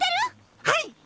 はい！